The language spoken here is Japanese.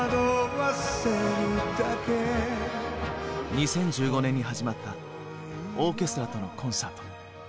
２０１５年に始まったオーケストラとのコンサート。